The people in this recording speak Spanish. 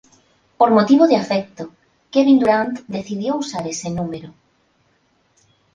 Por motivo de afecto Kevin Durant decidió usar ese número.